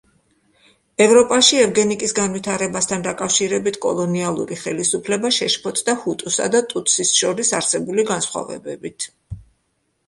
ევროპაში ევგენიკის განვითარებასთან დაკავშირებით კოლონიალური ხელისუფლება შეშფოთდა ჰუტუსა და ტუტსის შორის არსებული განსხვავებებით.